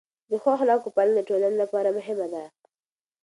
د ښو اخلاقو پالنه د ټولنې لپاره مهمه ده.